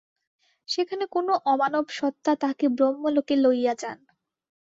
সেখানে কোন অমানব সত্তা তাহাকে ব্রহ্মলোকে লইয়া যান।